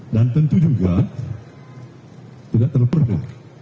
dan tentu juga tidak terperlu